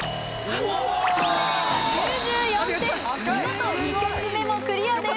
見事２曲目もクリアです。